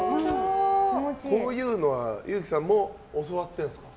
こういうのは憂樹さんも教わってるんですか？